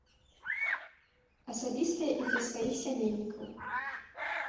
Асабістае і для сваіх сямейнікаў.